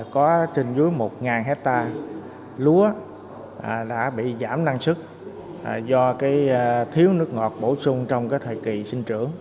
có trên dưới một hectare lúa đã bị giảm năng sức do thiếu nước ngọt bổ sung trong thời kỳ sinh trưởng